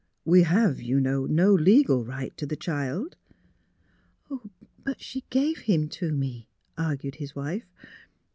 '' We have, you know, no legal right to the child." '' But — she gave him to me," argued his mfe. Mr.